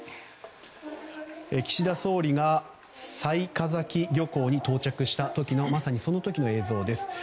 岸田総理が雑賀崎漁港に到着した、まさにその時の映像です。